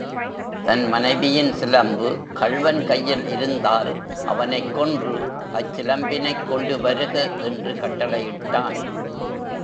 தன் மனைவியின் சிலம்பு கள்வன் கையில் இருந்தால் அவனைக் கொன்று அச்சிலம்பினைக் கொண்டு வருக என்று கட்டளை இட்டான்.